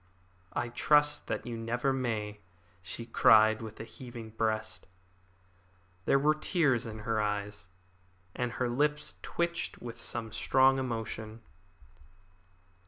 "I trust that you never may," she cried, with a heaving breast. There were tears in her eyes, and her lips twitched with some strong emotion.